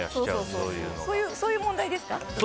そういう問題ですか？